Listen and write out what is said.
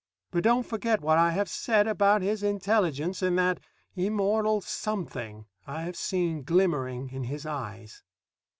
But don't forget what I have said about his intelligence and that immortal something I have seen glimmering in his eyes.